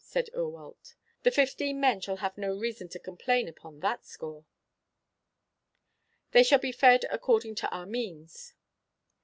Said Eurwallt, "The fifteen men shall have no reason to complain upon that score. They shall be fed according to our means."